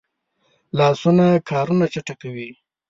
لاسونه کارونه چټکوي